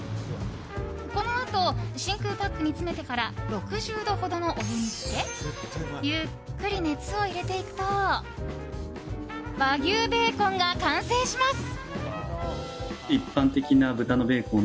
このあと真空パックに詰めてから６０度ほどのお湯につけゆっくり熱を入れていくと和牛ベーコンが完成します。